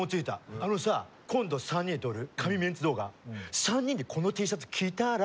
あのさ今度３人で撮る神メンツ動画３人でこのＴシャツ着たら。